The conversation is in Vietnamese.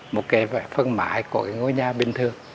một cái phân mãi của cái ngõi nhà bình thường